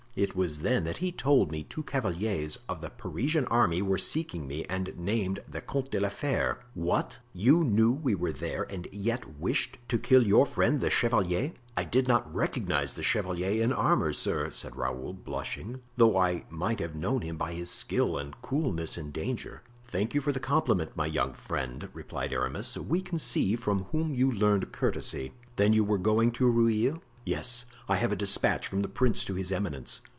It was then that he told me two cavaliers of the Parisian army were seeking me and named the Comte de la Fere." "What! you knew we were there and yet wished to kill your friend the chevalier?" "I did not recognize the chevalier in armor, sir!" said Raoul, blushing; "though I might have known him by his skill and coolness in danger." "Thank you for the compliment, my young friend," replied Aramis, "we can see from whom you learned courtesy. Then you were going to Rueil?" "Yes! I have a despatch from the prince to his eminence."